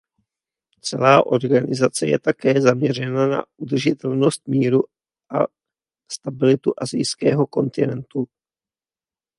Celá organizace je také zaměřena na udržitelnost míru a stabilitu asijského kontinentu.